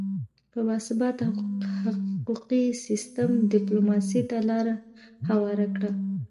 یو باثباته حقوقي سیستم ډیپلوماسي ته لاره هواره کړه